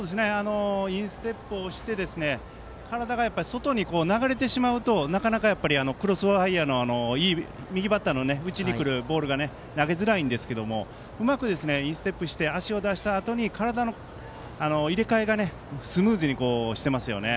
インステップして体が外に流れてしまうとなかなかクロスファイアーの右バッターの内に来るボールが投げづらいんですけどうまくインステップして足を出したあと体の入れ替えをスムーズにしていますよね。